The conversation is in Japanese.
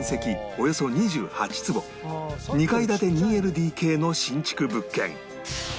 およそ２８坪２階建て ２ＬＤＫ の新築物件